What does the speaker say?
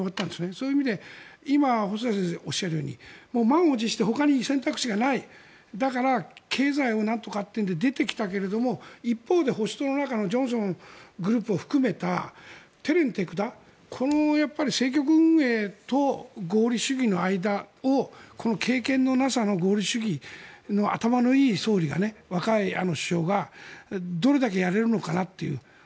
そういう意味で今、細谷先生がおっしゃるように満を持してほかに選択肢がないだから経済をなんとかというので出てきたけれども一方で保守党の中のジョンソングループを含めた手練手管この政局運営と合理主義の間をこの経験のなさの合理主義の頭のいい総理が若い首相がどれだけやれるのかなという。